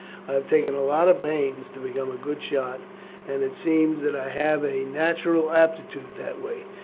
I have taken a lot of pains to become a good shot, and it seems that I have a natural aptitude that way.